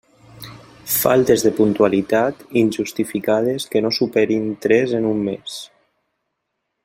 Faltes de puntualitat, injustificades, que no superin tres en un mes.